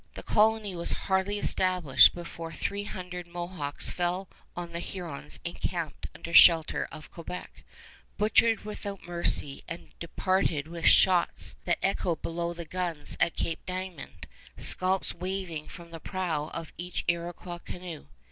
The colony was hardly established before three hundred Mohawks fell on the Hurons encamped under shelter of Quebec, butchered without mercy, and departed with shouts of laughter that echoed below the guns at Cape Diamond, scalps waving from the prow of each Iroquois canoe.